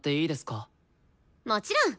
もちろん。